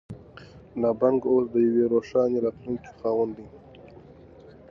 ملا بانګ اوس د یوې روښانه راتلونکې خاوند دی.